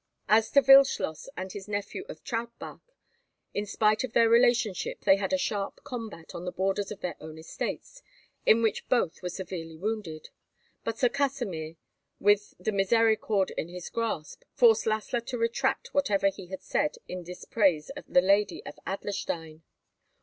As to Wildschloss and his nephew of Trautbach, in spite of their relationship they had a sharp combat on the borders of their own estates, in which both were severely wounded; but Sir Kasimir, with the misericorde in his grasp, forced Lassla to retract whatever he had said in dispraise of the Lady of Adlerstein.